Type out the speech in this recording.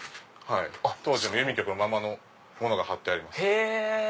当時の郵便局のままのものが貼ってあります。